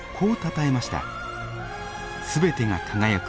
「全てが輝く。